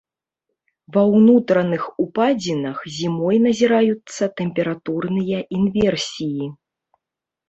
Ва ўнутраных упадзінах зімой назіраюцца тэмпературныя інверсіі.